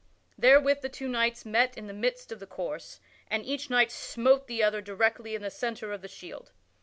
Therewith the two knights met in the midst of the course, and each knight smote the other directly in the centre of the shield.